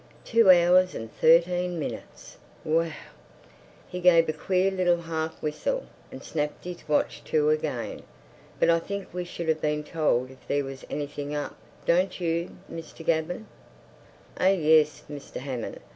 Two hours and thirteen minutes! Whee ooh!" He gave a queer little half whistle and snapped his watch to again. "But I think we should have been told if there was anything up—don't you, Mr. Gaven?" "Oh, yes, Mr. Hammond!